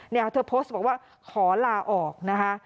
เธอโพสต์บอกว่าขอลาออกนะคะ